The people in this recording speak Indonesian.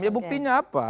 ya buktinya apa